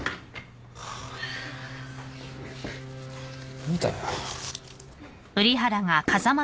何だよ。